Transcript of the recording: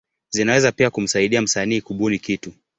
Zinaweza pia kumsaidia msanii kubuni kitu.